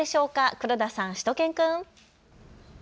黒田さん、しゅと犬くん。